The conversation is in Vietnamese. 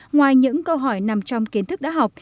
ngoài những câu hỏi nằm trong kiến thức đã học